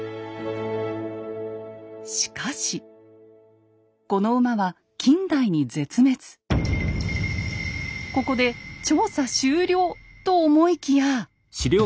しかしこの馬は近代にここで調査終了と思いきや。